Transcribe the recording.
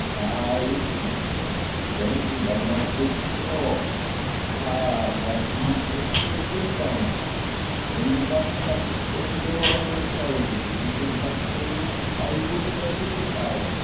"Aye, it is." "Then why not withdraw?" "Ah, that's easier said than done. When you once shut a spring door on yourself, it isn't by saying 'I will' that you get out.